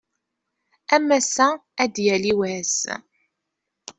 Am ass-a ad d-yali wass.